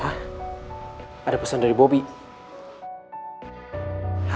fahri harus tau nih